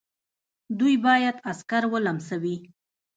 دوی باید عسکر ولمسوي.